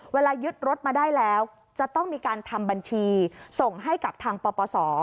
เวลายึดรถมาได้แล้วจะต้องมีการทำบัญชีส่งให้กับทางปปศ